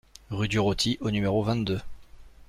Rue du Roty au numéro vingt-deux